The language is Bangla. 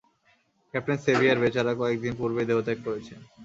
ক্যাপ্টেন সেভিয়ার বেচারা কয়েক দিন পূর্বেই দেহত্যাগ করেছেন।